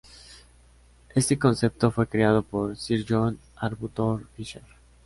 Este concepto fue creado por Sir John Arbuthnot Fisher.